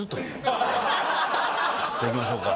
じゃあ行きましょうか。